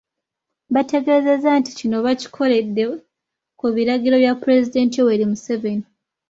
Bategeezezza nti kino bakikoledde ku biragiro bya Pulezidenti Yoweri Museveni.